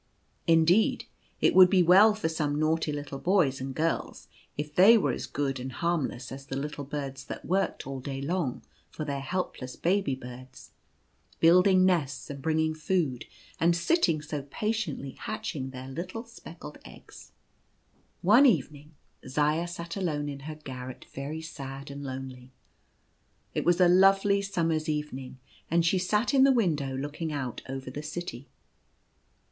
Indeed it would be well for some naughty little boys and girls if they were as good and harmless as the little birds that work all day long for their helpless baby birds, building nests and bringing food, and sitting so patiently hatching their little speckled eggs. One evening Zaya sat alone in her garret very sad and lonely. It was a lovely summer's evening, and she sat in the window looking out over the city.